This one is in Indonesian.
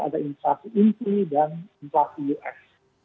ada inflasi inti dan inflasi ux